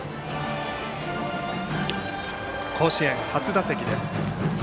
甲子園、初打席です。